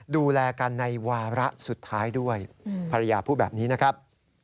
ดูแลกันในวาระสุดท้ายด้วยภรรยาพูดแบบนี้นะครับ